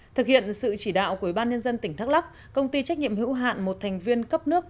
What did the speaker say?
thực hiện sự chỉ đạo của ủy ban nhân dân tỉnh đắk lắc công ty trách nhiệm hữu hạn một thành viên cấp nước